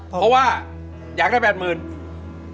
เพราะว่าอยากได้แปดหมื่นบาท